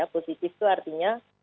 positif itu artinya